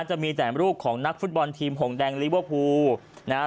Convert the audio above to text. จะมีแต่รูปของนักฟุตบอลทีมหงแดงลิเวอร์พูลนะฮะ